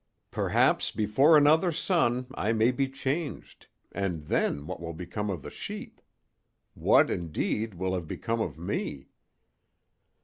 Perhaps before another sun I may be changed, and then what will become of the sheep? What, indeed, will have become of me?"